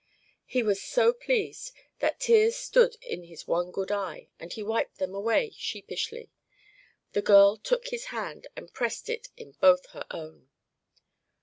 He was so pleased that tears stood in his one good eye and he wiped them away sheepishly. The girl took his hand and pressed it in both her own.